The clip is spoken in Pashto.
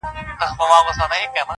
په داسي پوچو الفاظو -